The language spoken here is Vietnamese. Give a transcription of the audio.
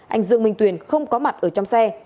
anh dương minh tuyền không có mặt ở trong xe